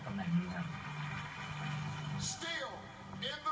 ข้อมูลเข้ามาดูครับ